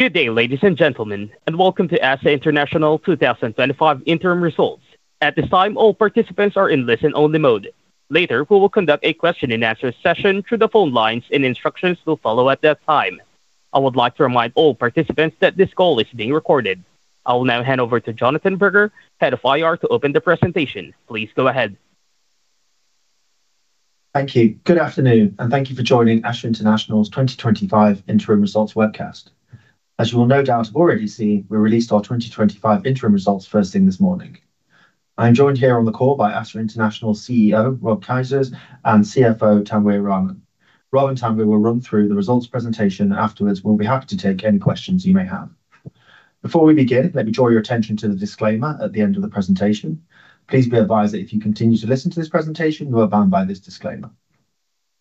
Good day, ladies and gentlemen, and welcome to ASA International 2025 interim results. At this time, all participants are in listen-only mode. Later, we will conduct a question-and-answer session through the phone lines, and instructions will follow at that time. I would like to remind all participants that this call is being recorded. I will now hand over to Jonathan Berger, Head of Investor Relations, to open the presentation. Please go ahead. Thank you. Good afternoon, and thank you for joining ASA International Group PLC's 2025 interim results webcast. As you will no doubt already see, we released our 2025 interim results first thing this morning. I am joined here on the call by ASA International Group PLC's CEO, Rob Keijsers, and CFO, Tanwir Rahman. Rob and Tanwir will run through the results presentation. Afterwards, we'll be happy to take any questions you may have. Before we begin, let me draw your attention to the disclaimer at the end of the presentation. Please be advised that if you continue to listen to this presentation, you are bound by this disclaimer.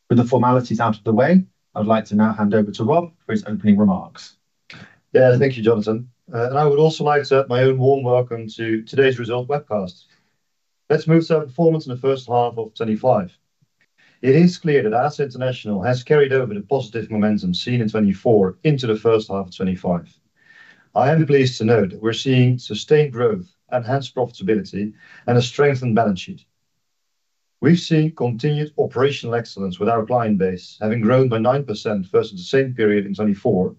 With the formalities out of the way, I would like to now hand over to Rob for his opening remarks. Thank you, Jonathan. I would also like to add my own warm welcome to today's results webcast. Let's move to our performance in the first half of 2025. It is clear that ASA International has carried over the positive momentum seen in 2024 into the first half of 2025. I am pleased to note that we're seeing sustained growth, enhanced profitability, and a strengthened balance sheet. We've seen continued operational excellence with our client base, having grown by 9% versus the same period in 2024,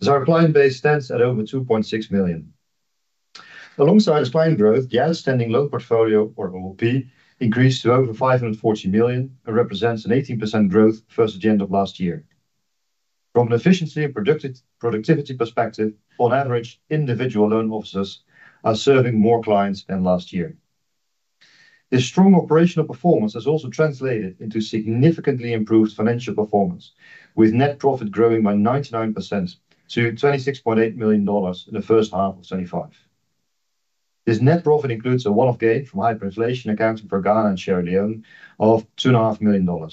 as our client base stands at over 2.6 million. Alongside this client growth, the outstanding loan portfolio, or OLP, increased to over $540 million and represents an 18% growth versus the end of last year. From an efficiency and productivity perspective, on average, individual loan officers are serving more clients than last year. This strong operational performance has also translated into significantly improved financial performance, with net profit growing by 99% to $26.8 million in the first half of 2025. This net profit includes a one-off gain from hyperinflation accounted for by Ghana and Sierra Leone of $2.5 million.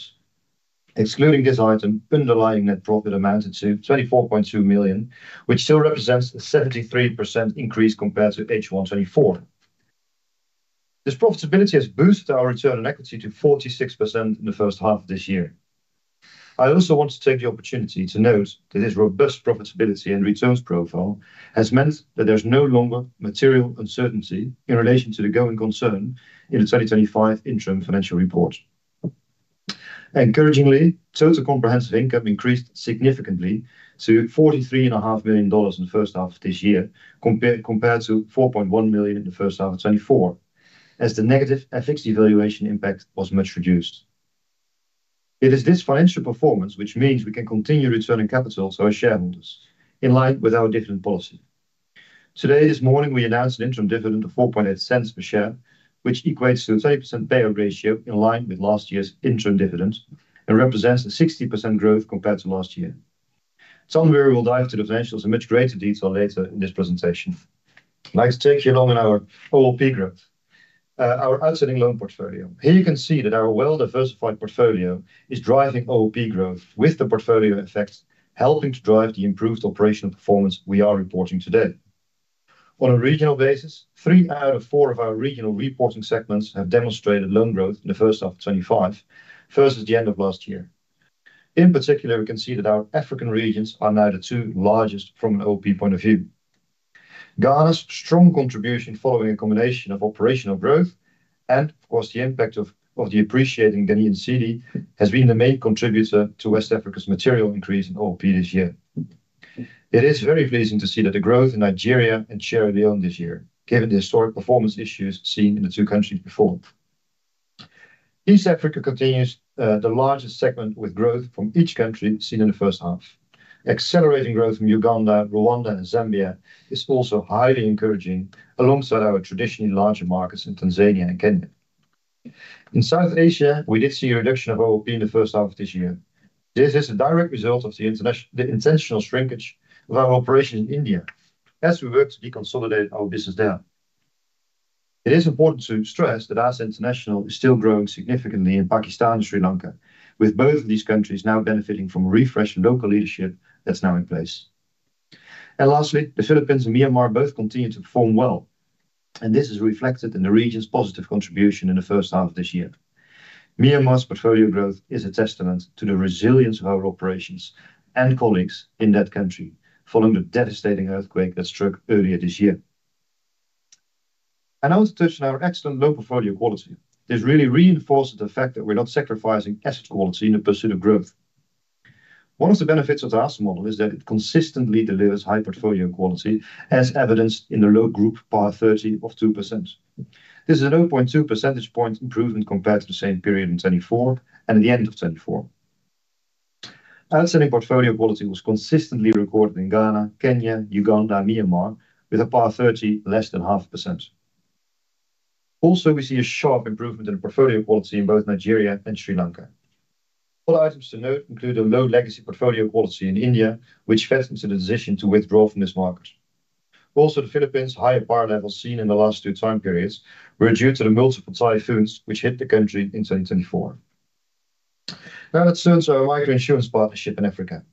Excluding this item, underlying net profit amounted to $24.2 million, which still represents a 73% increase compared to H1 2024. This profitability has boosted our return on equity to 46% in the first half of this year. I also want to take the opportunity to note that this robust profitability and returns profile has meant that there's no longer material uncertainty in relation to the going concern in the 2025 interim financial report. Encouragingly, total comprehensive income increased significantly to $43.5 million in the first half of this year, compared to $4.1 million in the first half of 2024, as the negative FX devaluation impact was much reduced. It is this financial performance which means we can continue returning capital to our shareholders in line with our dividend policy. Today, this morning, we announced an interim dividend of $0.048 per share, which equates to a 30% payout ratio in line with last year's interim dividend and represents a 60% growth compared to last year. Tanwir will dive into the financials in much greater detail later in this presentation. Next, taking you along in our OLP growth, our outstanding loan portfolio. Here you can see that our well-diversified portfolio is driving OLP growth with the portfolio effect, helping to drive the improved operational performance we are reporting today. On a regional basis, three out of four of our regional reporting segments have demonstrated loan growth in the first half of 2025 versus the end of last year. In particular, we can see that our African regions are now the two largest from an OLP point of view. Ghana's strong contribution following a combination of operational growth and, of course, the impact of the appreciating Ghanaian cedi has been the main contributor to West Africa's material increase in OLP this year. It is very pleasing to see the growth in Nigeria and Sierra Leone this year, given the historic performance issues seen in the two countries before. East Africa continues as the largest segment with growth from each country seen in the first half. Accelerating growth from Uganda, Rwanda, and Zambia is also highly encouraging, alongside our traditionally larger markets in Tanzania and Kenya. In South Asia, we did see a reduction of OLP in the first half of this year. This is a direct result of the intentional shrinkage of our operation in India, as we work to consolidate our business there. It is important to stress that ASA International is still growing significantly in Pakistan and Sri Lanka, with both of these countries now benefiting from a refreshed local leadership that's now in place. Lastly, the Philippines and Myanmar both continue to perform well, and this is reflected in the region's positive contribution in the first half of this year. Myanmar's portfolio growth is a testament to the resilience of our operations and colleagues in that country following the devastating earthquake that struck earlier this year. I want to touch on our excellent loan portfolio quality. This really reinforces the fact that we're not sacrificing asset quality in the pursuit of growth. One of the benefits of the ASA model is that it consistently delivers high portfolio quality, as evidenced in the low group PAR 30 of 2%. This is a 0.2 percentage point improvement compared to the same period in 2024 and at the end of 2024. Outstanding portfolio quality was consistently recorded in Ghana, Kenya, Uganda, and Myanmar, with a PAR 30 less than 0.5%. Also, we see a sharp improvement in portfolio quality in both Nigeria and Sri Lanka. Other items to note include the low legacy portfolio quality in India, which festered the decision to withdraw from this market. Also, the Philippines' higher PAR levels seen in the last two time periods were due to the multiple typhoons which hit the country in 2024. Now, let's turn to our microinsurance partnership in Africa.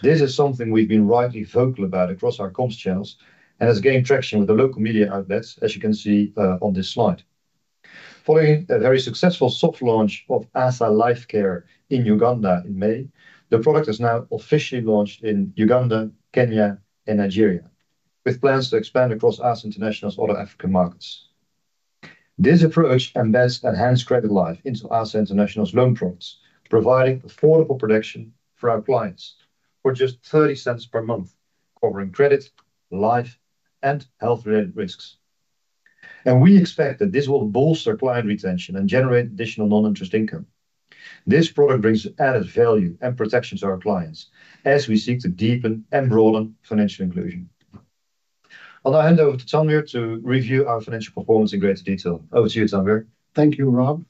This is something we've been rightly vocal about across our comms channels and has gained traction with the local media outlets, as you can see on this slide. Following a very successful soft launch of ASA Life Care in Uganda in May, the product has now officially launched in Uganda, Kenya, and Nigeria, with plans to expand across ASA International Group PLC's other African markets. This approach embeds enhanced credit life into ASA International Group PLC's loan prompts, providing affordable protection for our clients for just $0.30 per month, covering credit, life, and health-related risks. We expect that this will bolster client retention and generate additional non-interest income. This product brings added value and protection to our clients as we seek to deepen and broaden financial inclusion. I'll now hand over to Tanwir to review our financial performance in greater detail. Over to you, Tanwir. Thank you, Rob.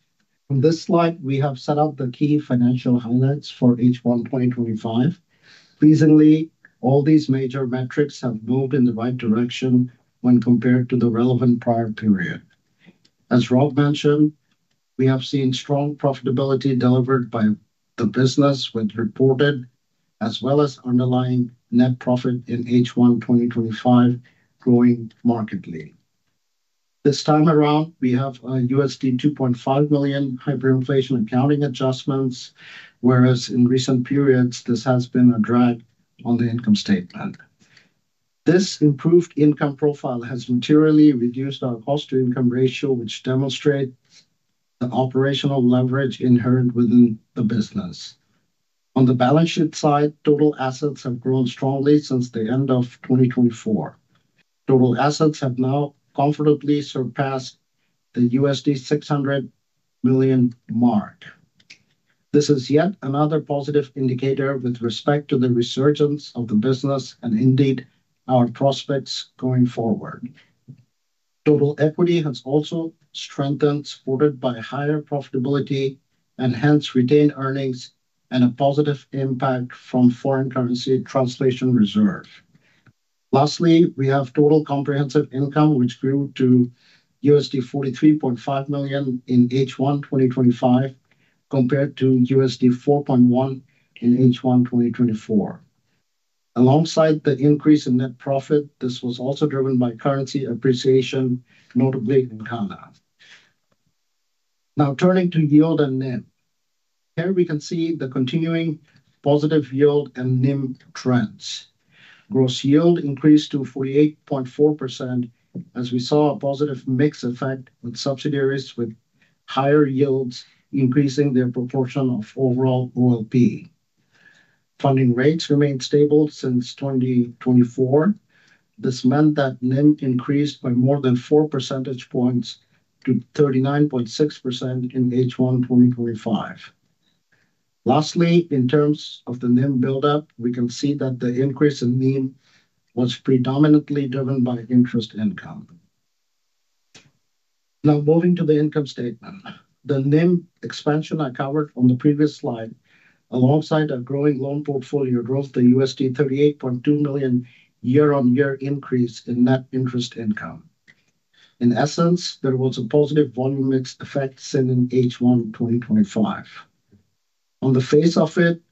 On this slide, we have set out the key financial highlights for H1 2025. Pleasingly, all these major metrics have moved in the right direction when compared to the relevant prior period. As Rob mentioned, we have seen strong profitability delivered by the business, with reported as well as underlying net profit in H1 2025 growing markedly. This time around, we have used $2.5 million hyperinflation accounting adjustments, whereas in recent periods, this has been a drag on the income statement. This improved income profile has materially reduced our cost-to-income ratio, which demonstrates the operational leverage inherent within the business. On the balance sheet side, total assets have grown strongly since the end of 2024. Total assets have now comfortably surpassed the $600 million mark. This is yet another positive indicator with respect to the resurgence of the business and indeed our prospects going forward. Total equity has also strengthened, supported by higher profitability and hence retained earnings and a positive impact from foreign currency translation reserve. Lastly, we have total comprehensive income, which grew to $43.5 million in H1 2025 compared to $4.1 million in H1 2024. Alongside the increase in net profit, this was also driven by currency appreciation, notably in Ghana. Now, turning to yield and NIM, here we can see the continuing positive yield and NIM trends. Gross yield increased to 48.4%, as we saw a positive mix effect with subsidiaries with higher yields increasing their proportion of overall OLP. Funding rates remained stable since 2024. This meant that NIM increased by more than 4 percentage points to 39.6% in H1 2025. Lastly, in terms of the NIM buildup, we can see that the increase in NIM was predominantly driven by interest income. Now, moving to the income statement, the NIM expansion I covered on the previous slide, alongside a growing loan portfolio growth, the $38.2 million year-on-year increase in net interest income. In essence, there was a positive volume mix effect seen in H1 2025. On the face of it,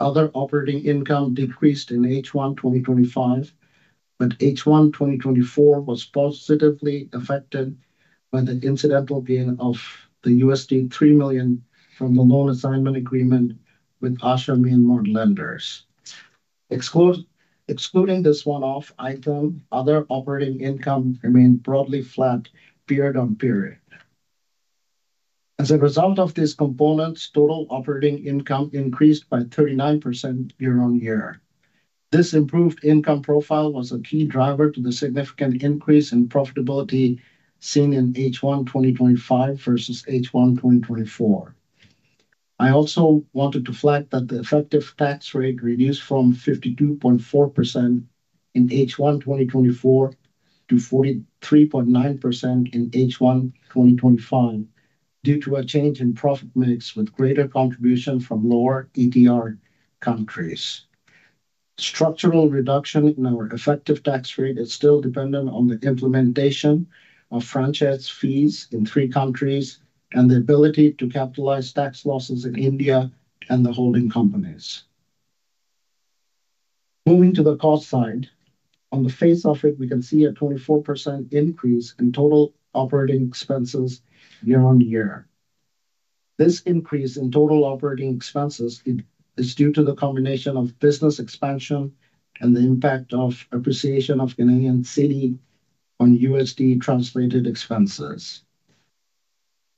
other operating income decreased in H1 2025, but H1 2024 was positively affected by the incidental gain of the $3 million from a loan assignment agreement with ASA Myanmar lenders. Excluding this one-off item, other operating income remained broadly flat, period on period. As a result of these components, total operating income increased by 39% year on year. This improved income profile was a key driver to the significant increase in profitability seen in H1 2025 versus H1 2024. I also wanted to flag that the effective tax rate reduced from 52.4% in H1 2024 to 43.9% in H1 2025 due to a change in profit mix with greater contribution from lower ETR countries. Structural reduction in our effective tax rate is still dependent on the implementation of franchise fees in three countries and the ability to capitalize tax losses in India and the holding companies. Moving to the cost side, on the face of it, we can see a 24% increase in total operating expenses year on year. This increase in total operating expenses is due to the combination of business expansion and the impact of appreciation of Ghanaian cedi on USD transfer rated expenses.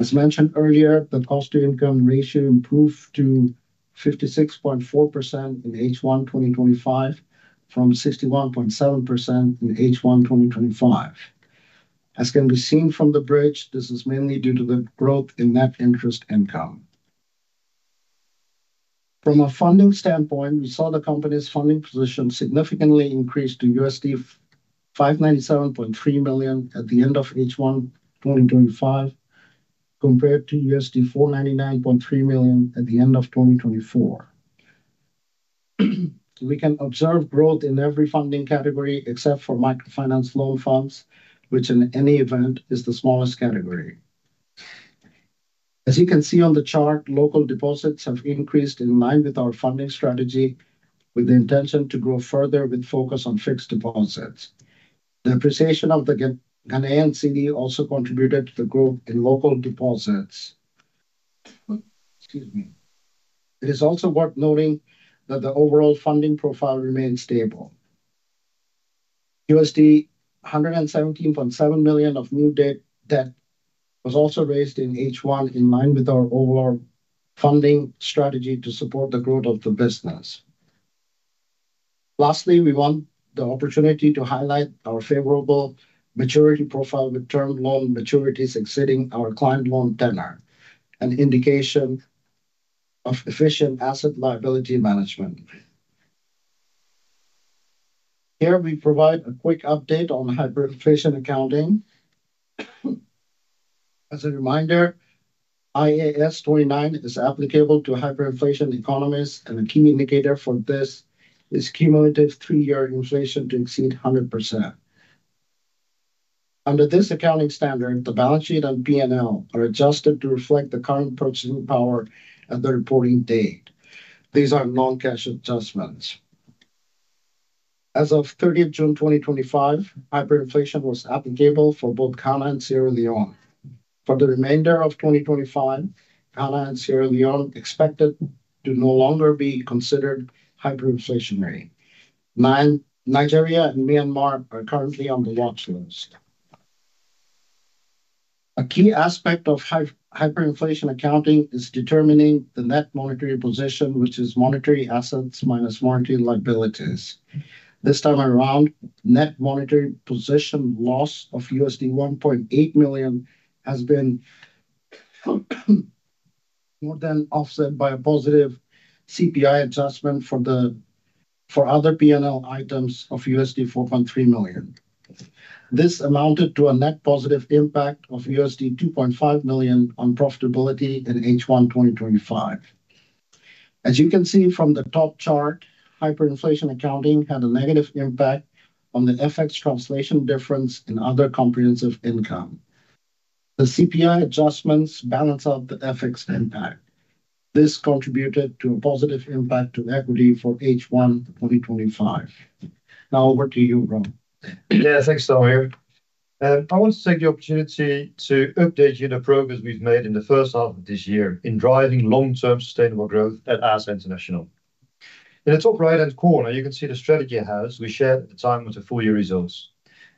As mentioned earlier, the cost-to-income ratio improved to 56.4% in H1 2025 from 61.7% in H1 2024. As can be seen from the bridge, this is mainly due to the growth in net interest income. From a funding standpoint, we saw the company's funding position significantly increase to $597.3 million at the end of H1 2025 compared to $499.3 million at the end of 2024. We can observe growth in every funding category except for microfinance loan funds, which in any event is the smallest category. As you can see on the chart, local deposits have increased in line with our funding strategy with the intention to grow further with focus on fixed deposits. The appreciation of the Ghanaian cedi also contributed to the growth in local deposits. Excuse me. It is also worth noting that the overall funding profile remains stable. $117.7 million of new debt was also raised in H1 in line with our overall funding strategy to support the growth of the business. Lastly, we want the opportunity to highlight our favorable maturity profile with term loan maturities exceeding our client loan tenor, an indication of efficient asset liability management. Here, we provide a quick update on hyperinflation accounting. As a reminder, IAS 29 is applicable to hyperinflation economies, and a key indicator for this is cumulative three-year inflation to exceed 100%. Under this accounting standard, the balance sheet and P&L are adjusted to reflect the current purchasing power at the reporting date. These are non-cash adjustments. As of 30th June 2025, hyperinflation was applicable for both Ghana and Sierra Leone. For the remainder of 2025, Ghana and Sierra Leone are expected to no longer be considered hyperinflationary. Nigeria and Myanmar are currently on the watchlist. A key aspect of hyperinflation accounting is determining the net monetary position, which is monetary assets minus monetary liabilities. This time around, net monetary position loss of $1.8 million has been more than offset by a positive CPI adjustment for the other P&L items of $4.3 million. This amounted to a net positive impact of $2.5 million on profitability in H1 2025. As you can see from the top chart, hyperinflation accounting had a negative impact on the FX translation difference in other comprehensive income. The CPI adjustments balance out the FX impact. This contributed to a positive impact to equity for H1 2025. Now, over to you, Rob. Yeah, thanks, Tanwir. I want to take the opportunity to update you on the progress we've made in the first half of this year in driving long-term sustainable growth at ASA International Group PLC. In the top right-hand corner, you can see the strategy of the House we shared at the time of the full-year results.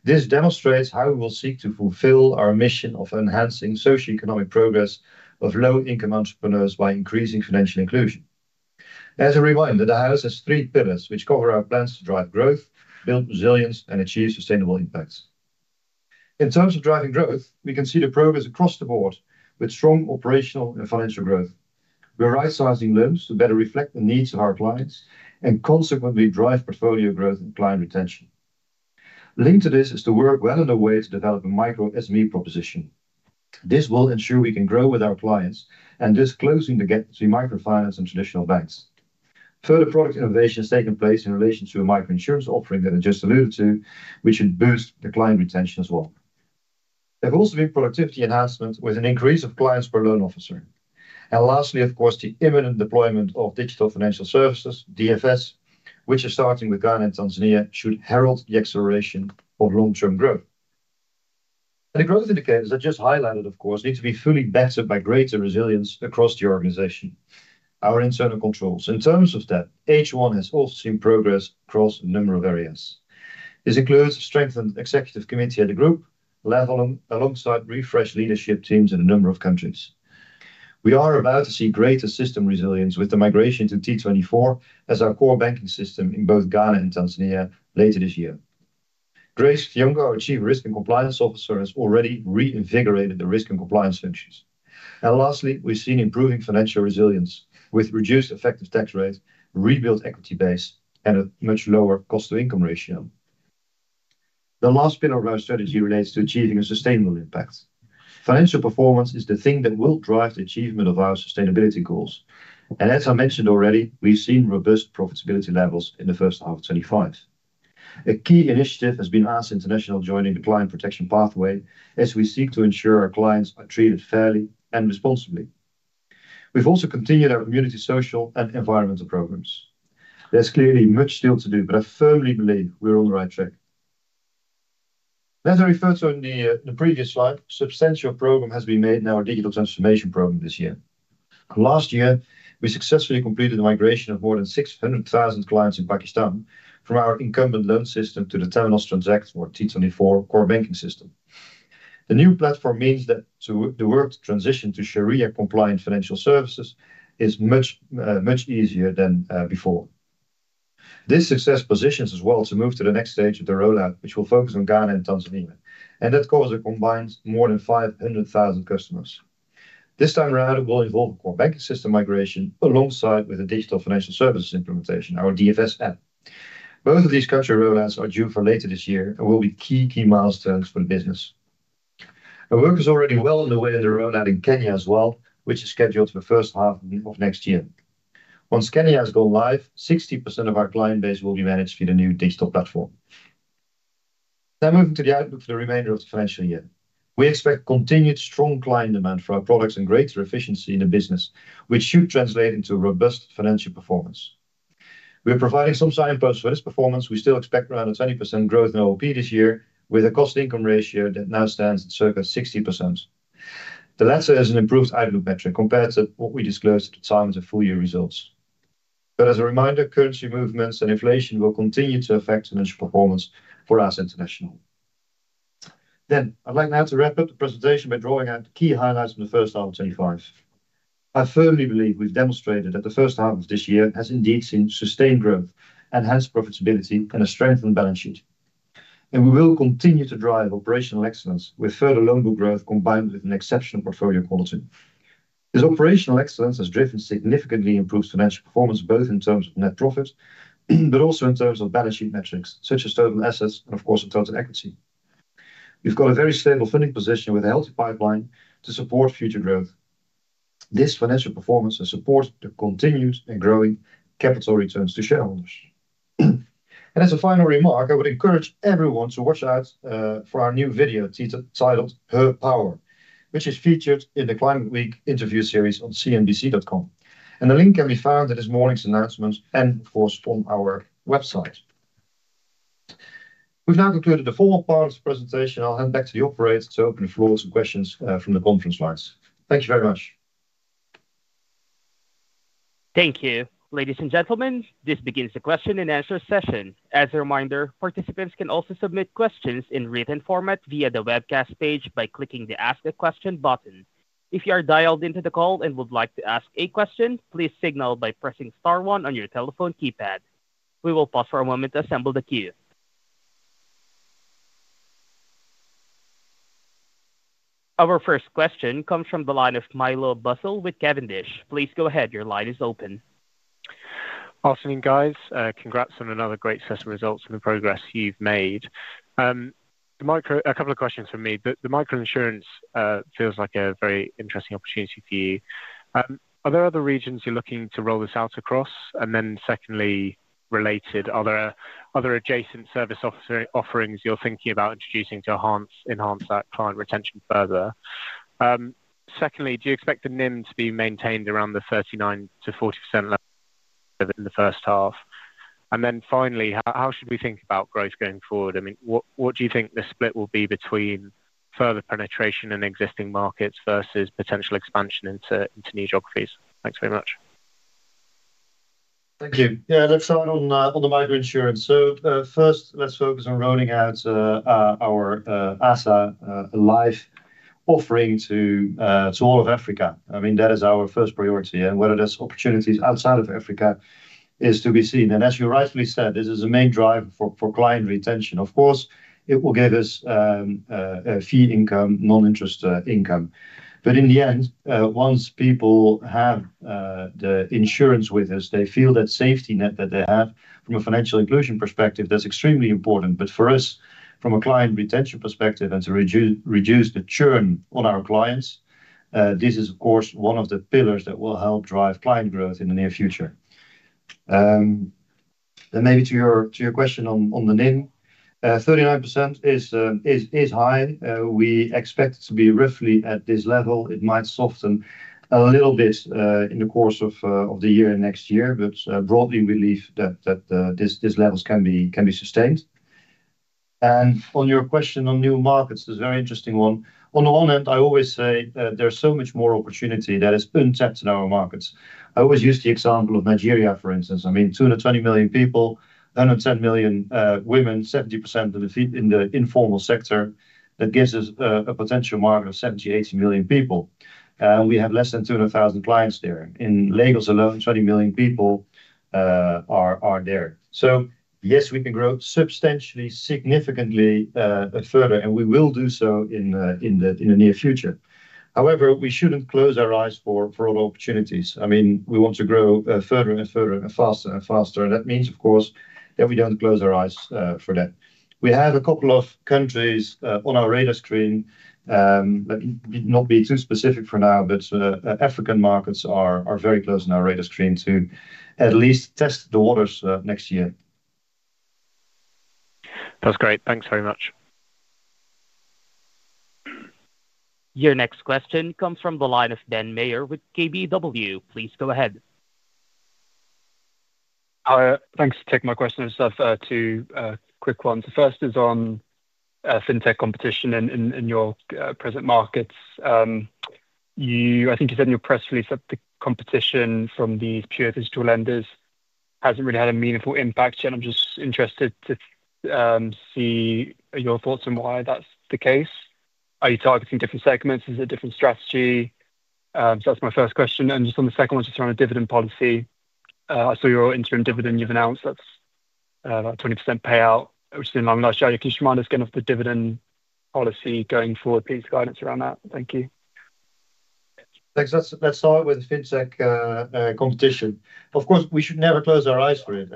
This demonstrates how we will seek to fulfill our mission of enhancing socioeconomic progress of low-income entrepreneurs by increasing financial inclusion. As a reminder, the House has three pillars, which cover our plans to drive growth, build resilience, and achieve sustainable impacts. In terms of driving growth, we can see the progress across the board with strong operational and financial growth. We're right-sizing loans to better reflect the needs of our clients and consequently drive portfolio growth and client retention. Linked to this is the work well underway to develop a micro-SME proposition. This will ensure we can grow with our clients and close the gap between microfinance and traditional banks. Further product innovation has taken place in relation to a microinsurance offering that I just alluded to, which should boost client retention as well. There have also been productivity enhancements with an increase of clients per loan officer. Lastly, the imminent deployment of digital financial services (DFS), which is starting with Ghana and Tanzania, should herald the acceleration of long-term growth. The growth indicators I just highlighted need to be fully backed by greater resilience across the organization, including our internal controls. In terms of that, H1 has also seen progress across a number of areas. This includes a strengthened Executive Committee at the group level, alongside refreshed leadership teams in a number of countries. We are about to see greater system resilience with the migration to T24 as our core banking system in both Ghana and Tanzania later this year. Grace Thiongo, our Chief Risk and Compliance Officer, has already reinvigorated the risk and compliance functions. We've seen improving financial resilience with reduced effective tax rates, rebuilt equity base, and a much lower cost-to-income ratio. The last pillar of our strategy relates to achieving a sustainable impact. Financial performance is the thing that will drive the achievement of our sustainability goals. As I mentioned already, we've seen robust profitability levels in the first half of 2025. A key initiative has been ASA International joining the client protection pathway as we seek to ensure our clients are treated fairly and responsibly. We've also continued our community social and environmental programs. There's clearly much still to do, but I firmly believe we're on the right track. As I referred to in the previous slide, a substantial program has been made in our digital transformation program this year. Last year, we successfully completed the migration of more than 600,000 clients in Pakistan from our incumbent loan system to the T24 core banking system. The new platform means that the work to transition to Sharia compliant financial services is much, much easier than before. This success positions us well to move to the next stage of the rollout, which will focus on Ghana and Tanzania. That calls a combined more than 500,000 customers. This time around, it will involve a core banking system migration alongside a digital financial services implementation, our DFS. Both of these cashier rollouts are due for later this year and will be key milestones for the business. Work is already well underway in the rollout in Kenya as well, which is scheduled for the first half of next year. Once Kenya has gone live, 60% of our client base will be managed through the new digital platform. Now moving to the outlook for the remainder of the financial year. We expect continued strong client demand for our products and greater efficiency in the business, which should translate into robust financial performance. We're providing some signposts for this performance. We still expect around a 20% growth in OLP this year with a cost-to-income ratio that now stands at circa 60%. The latter is an improved outlook metric compared to what we disclosed at the time of the full-year results. As a reminder, currency movements and inflation will continue to affect financial performance for ASA International. I'd like now to wrap up the presentation by drawing out the key highlights from the first half of 2025. I firmly believe we've demonstrated that the first half of this year has indeed seen sustained growth, enhanced profitability, and a strengthened balance sheet. We will continue to drive operational excellence with further loanable growth combined with an exceptional portfolio quality. This operational excellence has driven significantly improved financial performance both in terms of net profit, but also in terms of balance sheet metrics such as total assets and, of course, the total equity. We've got a very stable funding position with a healthy pipeline to support future growth. This financial performance will support the continued and growing capital returns to shareholders. As a final remark, I would encourage everyone to watch out for our new video titled "Her Power," which is featured in the Climate Week interview series on CNBC.com. The link can be found at this morning's announcement and, of course, from our website. We've now concluded the formal part of this presentation. I'll hand back to the operators to open the floor to questions from the conference lines. Thank you very much. Thank you, ladies and gentlemen. This begins the question and answer session. As a reminder, participants can also submit questions in written format via the webcast page by clicking the "Ask a Question" button. If you are dialed into the call and would like to ask a question, please signal by pressing star one on your telephone keypad. We will pause for a moment to assemble the queue. Our first question comes from the line of Milo Bussell with Cavendish. Please go ahead, your line is open. Afternoon, guys. Congrats on another great set of results and the progress you've made. A couple of questions from me. The microinsurance feels like a very interesting opportunity for you. Are there other regions you're looking to roll this out across? Secondly, related, are there other adjacent service offerings you're thinking about introducing to enhance that client retention further? Do you expect the NIM to be maintained around the 39 to 40% in the first half? Finally, how should we think about growth going forward? I mean, what do you think the split will be between further penetration in existing markets versus potential expansion into new geographies? Thanks very much. Thank you. Yeah, let's start on the microinsurance. First, let's focus on rolling out our ASA Life Care offering to all of Africa. That is our first priority. Whether there's opportunities outside of Africa is to be seen. As you rightly said, this is a main driver for client retention. Of course, it will give us a fee income, non-interest income. In the end, once people have the insurance with us, they feel that safety net that they have from a financial inclusion perspective, that's extremely important. For us, from a client retention perspective and to reduce the churn on our clients, this is one of the pillars that will help drive client growth in the near future. Maybe to your question on the NIM, 39% is high. We expect it to be roughly at this level. It might soften a little bit in the course of the year and next year. Broadly, we believe that these levels can be sustained. On your question on new markets, it's a very interesting one. On the one hand, I always say there's so much more opportunity that is untapped in our markets. I always use the example of Nigeria, for instance. I mean, 220 million people, 110 million women, 70% of the feed in the informal sector. That gives us a potential market of 70 to 80 million people. We have less than 200,000 clients there. In Lagos alone, 20 million people are there. Yes, we can grow substantially, significantly further, and we will do so in the near future. However, we shouldn't close our eyes for other opportunities. We want to grow further and further and faster and faster. That means we don't close our eyes for that. We have a couple of countries on our radar screen. Let me not be too specific for now, but African markets are very close on our radar screen to at least test the waters next year. That's great. Thanks very much. Your next question comes from the line of Ben Maher with Keefe Bruyette & Woods Inc. Please go ahead. Thanks. Take my questions. I've two quick ones. The first is on fintech competition in your present markets. I think you said in your press release that the competition from these pure digital lenders hasn't really had a meaningful impact yet. I'm just interested to see your thoughts on why that's the case. Are you targeting different segments? Is it a different strategy? That's my first question. Just on the second one, just around the dividend policy, I saw your interim dividend you've announced that's about 20% payout, which is in line with our share equation reminders. Again, of the dividend policy going forward, please guide us around that. Thank you. Thanks. Let's start with fintech competition. Of course, we should never close our eyes for it.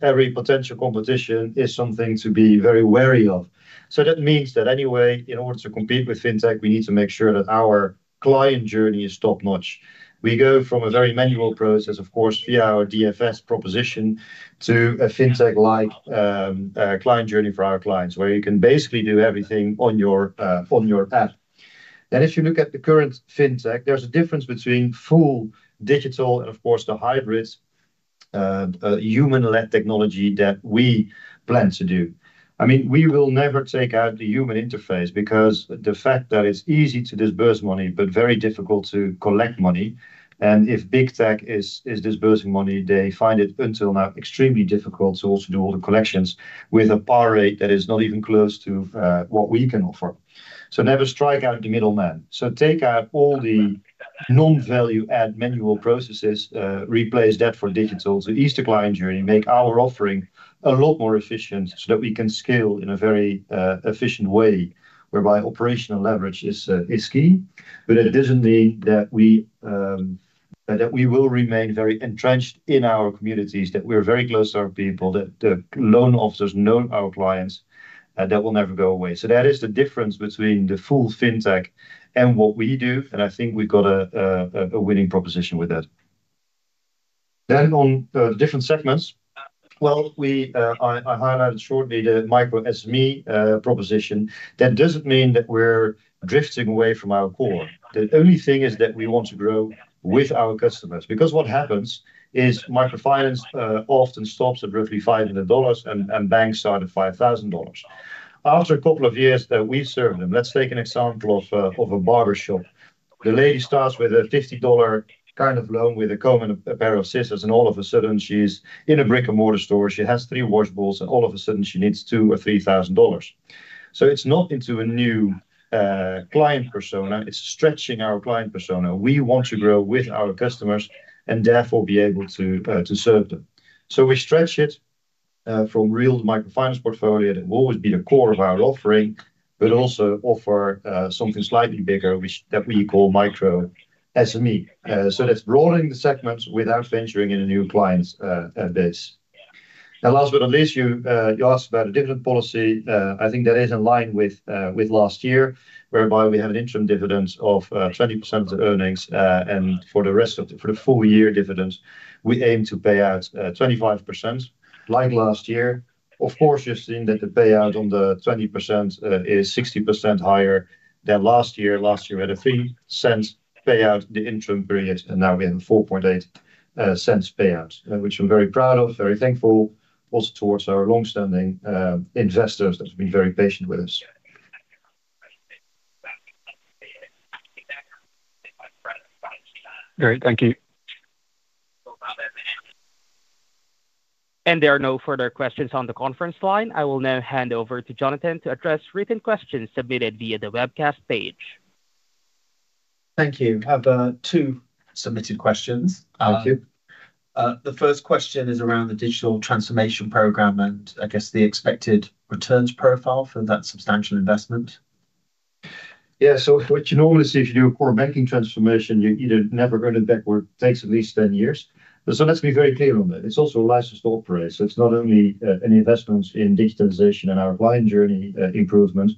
Every potential competition is something to be very wary of. That means that anyway, in order to compete with fintech, we need to make sure that our client journey is top-notch. We go from a very manual process, via our digital financial services (DFS) proposition, to a fintech-like client journey for our clients, where you can basically do everything on your app. If you look at the current fintech, there's a difference between full digital and the hybrid human-led technology that we plan to do. We will never take out the human interface because the fact that it's easy to disburse money, but very difficult to collect money. If big tech is disbursing money, they find it until now extremely difficult to also do all the collections with a PAR rate that is not even close to what we can offer. Never strike out the middleman. Take out all the non-value-add manual processes, replace that for digital to ease the client journey, make our offering a lot more efficient so that we can scale in a very efficient way, whereby operational leverage is key. It doesn't mean that we will remain very entrenched in our communities, that we're very close to our people, that the loan officers know our clients, and that will never go away. That is the difference between the full fintech and what we do. I think we've got a winning proposition with that. On the different segments, I highlighted shortly the micro-SME proposition. That doesn't mean that we're drifting away from our core. The only thing is that we want to grow with our customers. What happens is microfinance often stops at roughly $500 and banks start at $5,000. After a couple of years that we've served them, let's take an example of a barbershop. The lady starts with a $50 kind of loan with a comb and a pair of scissors, and all of a sudden, she's in a brick-and-mortar store. She has three wash bowls, and all of a sudden, she needs $2,000 or $3,000. It's not into a new client persona. It's stretching our client persona. We want to grow with our customers and therefore be able to serve them. We stretch it from real microfinance portfolio that will always be the core of our offering, but also offer something slightly bigger that we call micro-SME. That's broadening the segments without venturing into new clients' base. Last but not least, you asked about the dividend policy. I think that is in line with last year, whereby we have an interim dividend of 20% of the earnings. For the full-year dividend, we aim to pay out 25% like last year. Of course, you've seen that the payout on the 20% is 60% higher than last year. Last year, we had a $0.03 payout in the interim period, and now we have a $0.048 payout, which we're very proud of, very thankful, also towards our longstanding investors that have been very patient with us. Great. Thank you. There are no further questions on the conference line. I will now hand over to Jonathan to address written questions submitted via the webcast page. Thank you. I have two submitted questions. Thank you. The first question is around the digital transformation program, and I guess the expected returns profile from that substantial investment. Yeah, so what you normally see, if you do a core banking transformation, you're either never earning backward tax of at least 10 years. Let's be very clear on that. It's also a licensed operator. It's not only an investment in digitalization and our client journey improvement,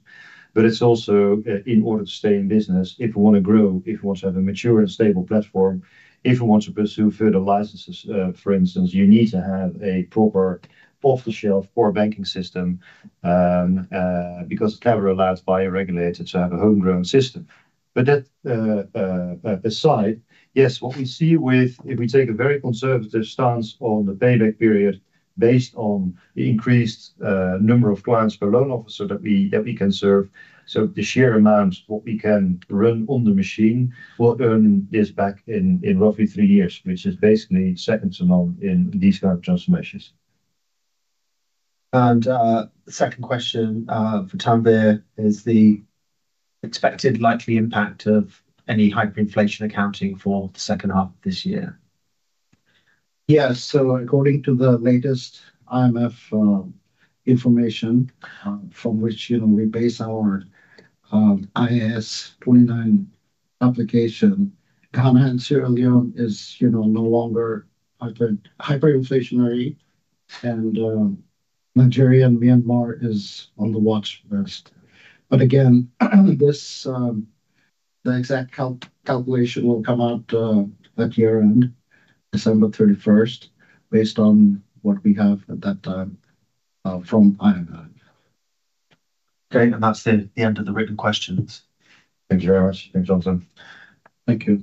but it's also in order to stay in business. If we want to grow, if we want to have a mature and stable platform, if we want to pursue further licenses, for instance, you need to have a proper off-the-shelf core banking system because it's never allowed by a regulator to have a homegrown system. That aside, yes, what we see with, if we take a very conservative stance on the payback period based on the increased number of clients per loan officer that we can serve, the sheer amount of what we can run on the machine will earn this back in roughly three years, which is basically second to none in these kinds of transformations. The second question for Tanwir is the expected likely impact of any hyperinflation accounting for the second half of this year. Yeah, so according to the latest IMF information from which we base our IAS 29 application, Ghana and Sierra Leone are no longer hyperinflationary, and Nigeria and Myanmar are on the watch list. The exact calculation will come out at year-end, December 31, based on what we have at that time from IMF. Great. That's the end of the written questions. Thank you very much. Thank you, Jonathan. Thank you.